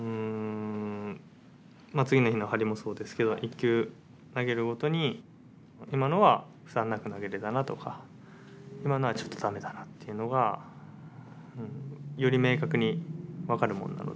次の日の張りもそうですけど１球投げるごとに今のは負担なく投げれたなとか今のはちょっと駄目だなっていうのがより明確に分かるものなので。